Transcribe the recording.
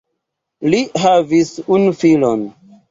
Li havis unu filon.